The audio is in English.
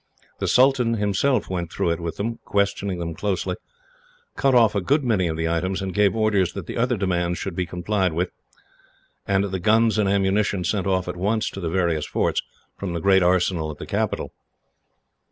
The sultan himself went through it with them, questioned them closely, cut off a good many of the items, and gave orders that the other demands should be complied with, and the guns and ammunition sent off at once to the various forts, from the great arsenal at the capital.